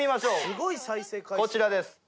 こちらです